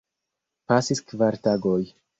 Pasis kvar tagoj.